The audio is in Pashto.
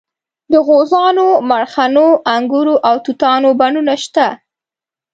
د غوزانو مرخڼو انګورو او توتانو بڼونه شته.